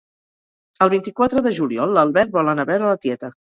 El vint-i-quatre de juliol l'Albert vol anar a veure la tieta